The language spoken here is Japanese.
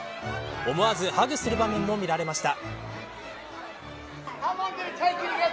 思わずハグする場面も見られました。